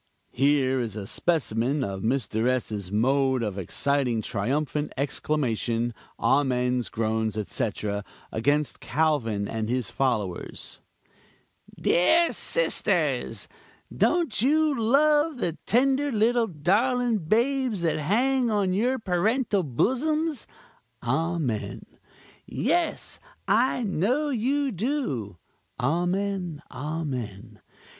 Here is a specimen of Mr. S.'s mode of exciting triumphant exclamation, amens, groans, etc., against Calvin and his followers: "Dear sisters, don't you love the tender little darling babes that hang on your parental bosoms? (amen!) Yes! I know you do (amen! amen!)